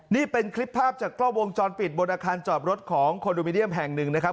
นี่เป็นคลิปภาพจากกล้องวงจรปิดบนอาคารจอบรถของคอนโดมิเนียมแห่งหนึ่งนะครับ